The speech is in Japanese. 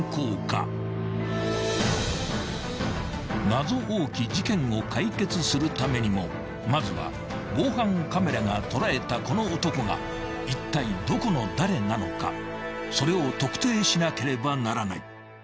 ［謎多き事件を解決するためにもまずは防犯カメラが捉えたこの男がいったいどこの誰なのかそれを特定しなければならない］